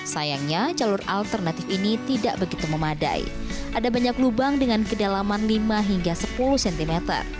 sayangnya jalur alternatif ini tidak begitu memadai ada banyak lubang dengan kedalaman lima hingga sepuluh cm